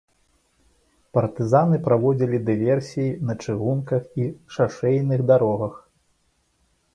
Партызаны праводзілі дыверсіі на чыгунках і шашэйных дарогах.